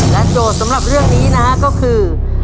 โจทย์สำหรับเรื่องนี้นะฮะก็คือ